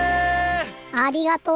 ありがとう！